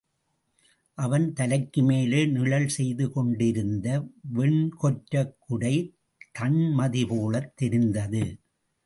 அவன் தலைக்குமேலே நிழல் செய்து கொண்டிருந்த, வெண்கொற்றக்குடை, தண்மதி போலத் தெரிந்தது.